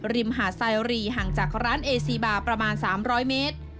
มหาดไซรีห่างจากร้านเอซีบาประมาณ๓๐๐เมตร